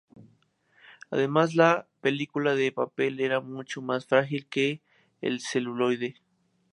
Además, la película de papel era mucho más frágil que el celuloide.